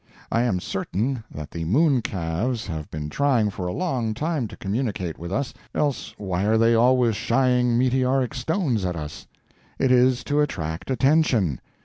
I am certain that the moon calves have been trying for a long time to communicate with us, else why are they always shying meteoric stones at us? It is to attract attention.